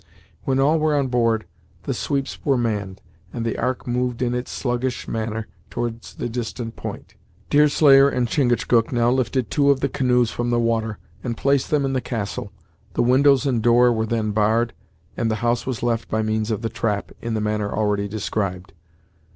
When all were on board, the sweeps were manned, and the Ark moved in its sluggish manner towards the distant point. Deerslayer and Chingachgook now lifted two of the canoes from the water, and placed them in the castle. The windows and door were then barred, and the house was left by means of the trap, in the manner already described.